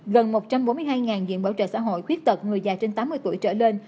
gần một trăm bốn mươi hai diện bảo trợ xã hội khuyết tật người già trên tám mươi tuổi trở lên